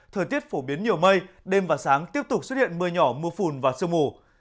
thời tiết phổ biến nhiều mây đêm và sáng tiếp tục xuất hiện mưa nhỏ mưa phùn và sương mù